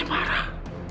dia pasti marah